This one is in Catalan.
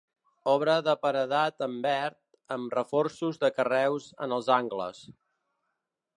Obra de paredat en verd, amb reforços de carreus en els angles.